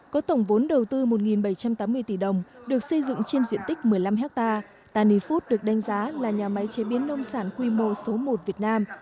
có tổng vốn đầu tư một bảy trăm tám mươi tỷ đồng được xây dựng trên diện tích một mươi năm hectare tanny food được đánh giá là nhà máy chế biến nông sản quy mô số một việt nam